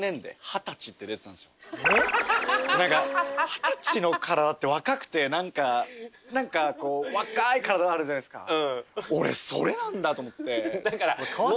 二十歳の体って若くてなんかなんかこう若い体あるじゃないですか。